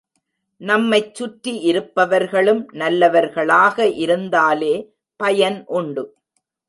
நம்மைச் சுற்றி இருப்பவர்களும் நல்லவர்களாக இருந்தாலே பயன் உண்டு.